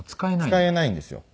使えないんですよ。